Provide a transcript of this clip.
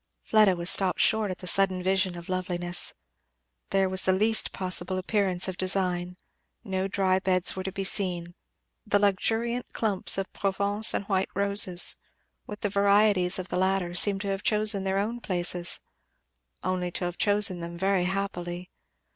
Fleda was stopped short at the sudden vision of loveliness. There was the least possible appearance of design; no dry beds were to be seen; the luxuriant clumps of Provence and white roses, with the varieties of the latter, seemed to have chosen their own places; only to have chosen them very happily.